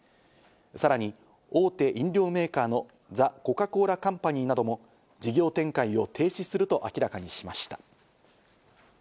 さらに大手飲料メーカーの「ザコカ・コーラカンパニー」なども事業展開を停止すると明らかにしました。